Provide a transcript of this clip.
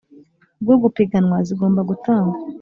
Bwo gupiganwa zigomba gutangwa